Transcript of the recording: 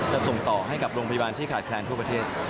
ส่งต่อให้กับโรงพยาบาลที่ขาดแคลนทั่วประเทศ